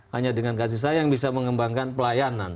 hanya dengan kasih sayang bisa mengembangkan pelayanan